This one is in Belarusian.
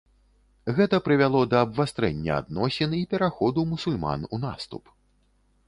Гэта прывяло да абвастрэння адносін і пераходу мусульман у наступ.